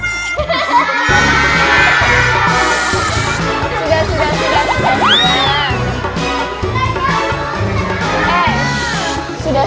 sudah sudah sudah